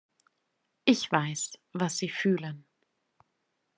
Ich weiß, was sie fühlen.